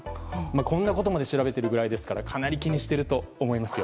こんなことまで調べているくらいですからかなり気にしていると思いますよ。